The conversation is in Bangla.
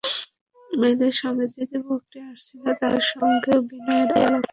মেয়েদের সঙ্গে যে যুবকটি আসিয়াছিল তাহার সঙ্গেও বিনয়ের আলাপ হইয়া গেল।